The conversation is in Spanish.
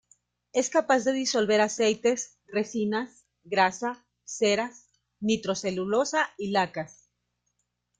Es capaz de disolver aceites, resinas, grasa, ceras, nitrocelulosa y lacas.